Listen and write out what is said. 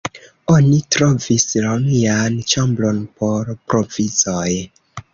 Oni trovis romian ĉambron por provizoj.